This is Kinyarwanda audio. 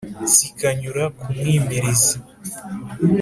zikanyura ku mwimirizi;